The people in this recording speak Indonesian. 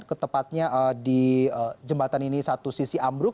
ketepatnya di jembatan ini satu sisi ambruk